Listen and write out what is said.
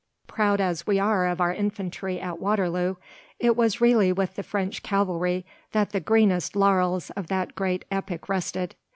Proud as we are of our infantry at Waterloo, it was really with the French cavalry that the greenest laurels of that great epic rested.